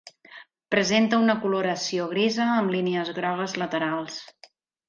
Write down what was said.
Presenta una coloració grisa, amb línies grogues laterals.